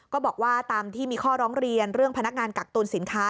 ก็บอกว่าตามที่มีข้อร้องเรียนเรื่องพนักงานกักตุลสินค้า